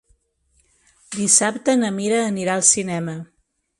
Dissabte na Mira anirà al cinema.